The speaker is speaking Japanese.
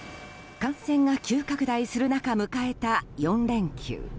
感染が急拡大する中迎えた４連休。